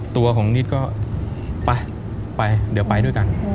ตัวของนิดก็ไปไปเดี๋ยวไปด้วยกัน